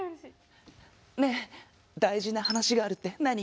ねえ大事な話があるって何？